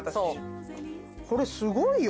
これすごいよ。